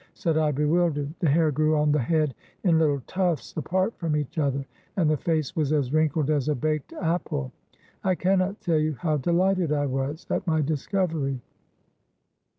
said I, bewildered. The hair grew on the head in little tufts apart from each other, and the face was as wrinkled as a baked apple. I cannot tell you how dehghted I was at my discovery.